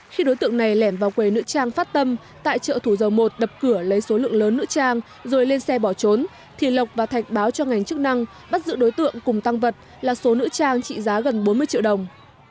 khi đối tượng này lẻn vào quầy nữ trang phát tâm tại chợ thủ dầu một đập cửa lấy số lượng lớn nữ trang rồi lên xe bỏ trốn thì lộc và thạch báo cho ngành chức năng bắt giữ đối tượng cùng tăng vật là số nữ trang trị giá gần bốn mươi triệu đồng